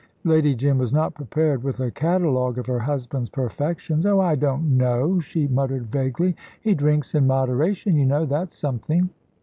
Lady Jim was not prepared with a catalogue of her husband's perfections. "Oh, I don't know," she murmured vaguely; "he drinks in moderation, you know. That's something."